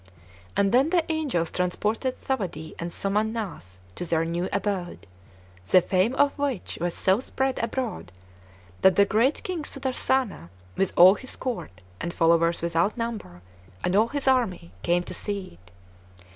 And then the angels transported Thawadee and Somannass to their new abode, the fame of which was so spread abroad that the great King Sudarsana, with all his court, and followers without number, and all his army, came to see it.